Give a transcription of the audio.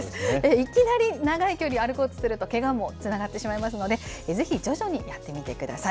いきなり長い距離を歩こうとすると、けがにもつながってしまいますので、ぜひ徐々にやってみてください。